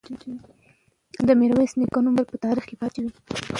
د میرویس نیکه نوم به تل په تاریخ کې پاتې وي.